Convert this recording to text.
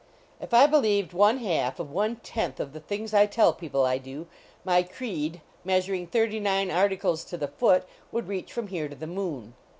If I believed one half of one tenth of the things I tell people I do, my creed, measur ing thirty nine articles to the foot, would reach from here to the moon.